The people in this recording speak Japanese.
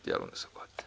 こうやって。